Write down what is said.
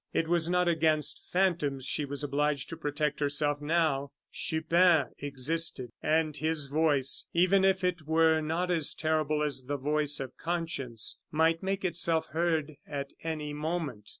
It was not against phantoms she was obliged to protect herself now; Chupin existed, and his voice, even if it were not as terrible as the voice of conscience, might make itself heard at any moment.